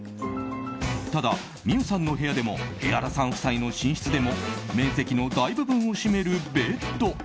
ただ、美羽さんの部屋でもエハラさん夫妻の寝室でも面積の大部分を占めるベッド。